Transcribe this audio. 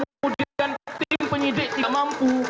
kemudian tim penyidik tidak mampu